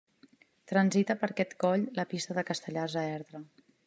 Transita per aquest coll la pista de Castellars a Erta.